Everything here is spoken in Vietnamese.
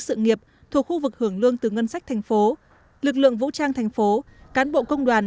sự nghiệp thuộc khu vực hưởng lương từ ngân sách tp lực lượng vũ trang tp cán bộ công đoàn